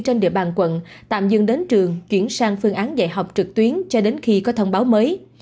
trên địa bàn quận tạm dừng đến trường chuyển sang phương án dạy học trực tuyến cho đến khi có thông báo mới